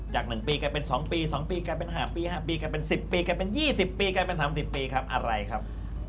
๑ปีกลายเป็น๒ปี๒ปีกลายเป็น๕ปี๕ปีกลายเป็น๑๐ปีกลายเป็น๒๐ปีกลายเป็น๓๐ปีครับอะไรครับ